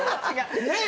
ねえ？